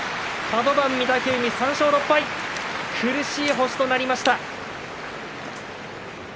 カド番大関御嶽海３勝６敗となって厳しい星となりました。